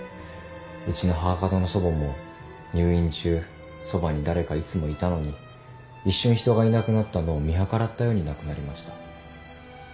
うちの母方の祖母も入院中そばに誰かいつもいたのに一瞬人がいなくなったのを見計らったように亡くなりました。